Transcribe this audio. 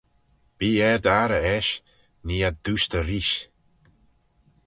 Bee er dt'arrey eisht, nee ad doostey reesht.